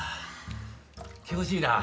気持ちいいな。